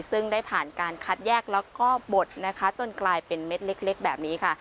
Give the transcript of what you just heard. ซึ่งได้ผ่านการคัดแยกแล้วก็บดนะคะจนกลายเป็นเม็ดเล็กแบบนี้ค่ะ